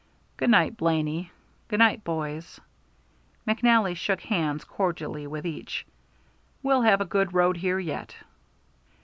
"Good night, Blaney; good night, boys." McNally shook hands cordially with each. "We'll have a good road here yet."